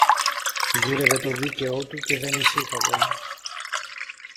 Γύρευε το δίκαιο του και δεν ησύχαζε!